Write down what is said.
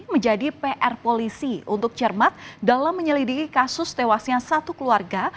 menjadi pr polisi untuk cermat dalam menyelidiki kasus tewasnya satu keluarga